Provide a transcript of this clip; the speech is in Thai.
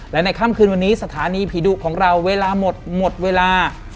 และในค่ำคืนวันนี้สถานีผีดุของเราเวลาหมดหมดเวลา